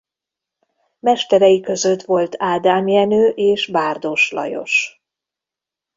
Mesterei között volt Ádám Jenő és Bárdos Lajos.